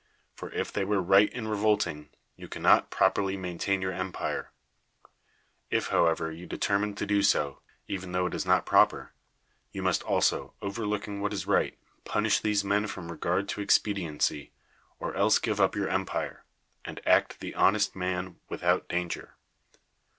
For if they were; right in revolting, you cannot properly maintain your em])ire. If, liowevcr, you determine 1o do so, even tho it is 39 THE WORLD'S FAMOUS ORATIONS not proper, you must also, overlooking what is right, punish these men from regard to expe diency, or else give up your empire, and act the honest man without danger.